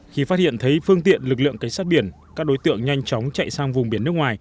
khi phát hiện thấy phương tiện lực lượng cảnh sát biển các đối tượng nhanh chóng chạy sang vùng biển nước ngoài